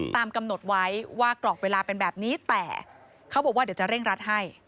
ตามกำหนดไว้ว่ากรอบเวลาเป็นแบบนี้แต่เขาบอกว่าเดี๋ยวจะเร่งรัดให้